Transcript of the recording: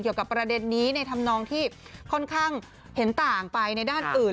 เกี่ยวกับประเด็นนี้ในธรรมนองที่ค่อนข้างเห็นต่างไปในด้านอื่น